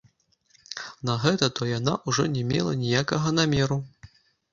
На гэта то яна ўжо не мела ніякага намеру.